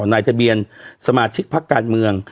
นายทะเบียนสมาชิกพักการเมือง